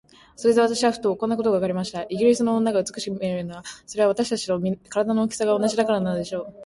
それで私はふと、こんなことがわかりました。イギリスの女が美しく見えるのは、それは私たちと身体の大きさが同じだからなのでしょう。